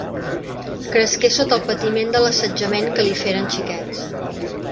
Cresqué sota el patiment de l'assetjament que li feren xiquets.